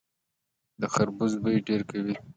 د خربوزې بوی ډیر قوي وي.